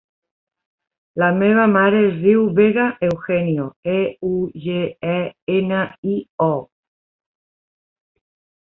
La meva mare es diu Vega Eugenio: e, u, ge, e, ena, i, o.